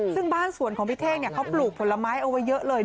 ซึ่งบ้านสวนของพี่เท่งเขาปลูกผลไม้เอาไว้เยอะเลย